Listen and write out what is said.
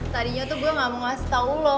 tadinya tuh gue gak mau ngasih tau lo